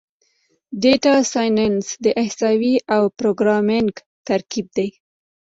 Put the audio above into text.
ډیټا سایننس د احصایې او پروګرامینګ ترکیب دی.